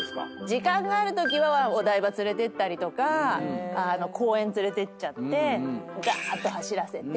時間があるときはお台場連れてったりとか公園連れてっちゃってがーっと走らせて。